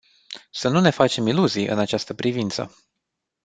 Să nu ne facem iluzii în această privință.